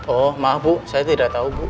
oh maaf bu saya tidak tahu bu